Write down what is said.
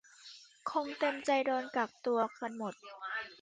คงเต็มใจโดนกักตัวกันหมด